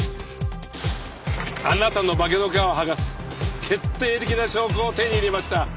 あなたの化けの皮を剥がす決定的な証拠を手に入れました。